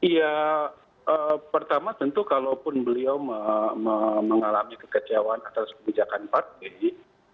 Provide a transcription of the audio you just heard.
ya pertama tentu kalaupun beliau mengalami kekecewaan atas kebijakan partai